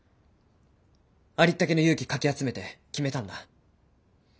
ありったけの勇気かき集めて決めたんだ。